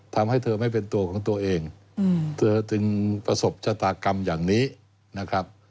ทำให้เธอไม่เป็นตัวของตัวเองเธอจึงประสบชะตากรรมอย่างนี้นะครับ